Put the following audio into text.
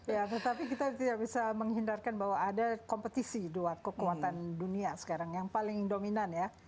ya tetapi kita tidak bisa menghindarkan bahwa ada kompetisi dua kekuatan dunia sekarang yang paling dominan ya